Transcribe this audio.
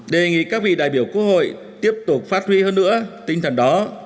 đề nghị các vị đại biểu quốc hội tiếp tục phát huy hơn nữa tinh thần đó